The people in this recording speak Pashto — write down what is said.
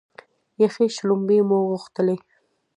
یخې شلومبې مو غوښتلې.